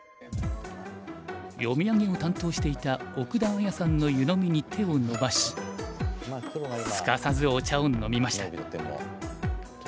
読み上げを担当していた奥田あやさんの湯飲みに手を伸ばしすかさずお茶を飲みました。